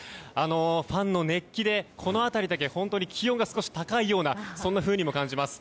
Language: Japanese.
ファンの熱気でこの辺りだけ気温が少し高いようにも感じます。